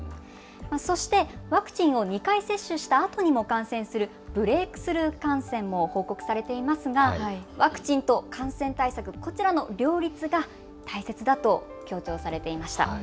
そしてワクチンを２回接種したあとにも感染するブレークスルー感染も報告されていますがワクチンと感染対策、こちらの両立が大切だと強調されていました。